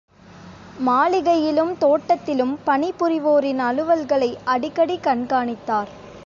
மாளிகையிலும் தோட்டத்திலும் பனிபுரிவோரின் அலுவல்களை அடிக்கடி கண்காணித்தார்.